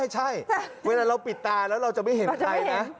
ใช่เวลาเราปิดตาแล้วเราจะไม่เห็นใครนะ